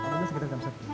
jam sepuluh malam